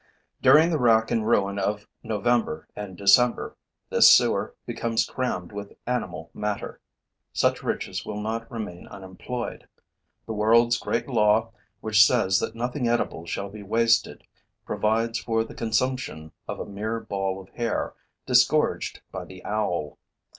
During the rack and ruin of November and December, this sewer becomes crammed with animal matter. Such riches will not remain unemployed. The world's great law which says that nothing edible shall be wasted provides for the consumption of a mere ball of hair disgorged by the owl.